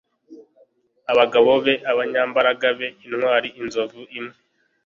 abagabo b abanyambaraga b intwari inzovu imwe